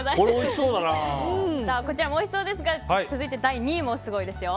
こちらもおいしそうですが続いて第２位もすごいですよ。